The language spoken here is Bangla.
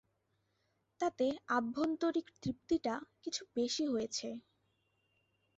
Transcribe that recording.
তাতে আভ্যন্তরিক তৃপ্তিটা কিছু বেশি হয়েছে।